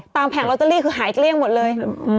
ตามแผ่นโรเตอรี่คือหายเกลี้ยงหมดเลย